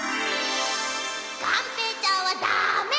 がんぺーちゃんはだめ！